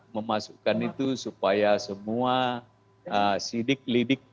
memasukkan itu supaya semua sidik lidik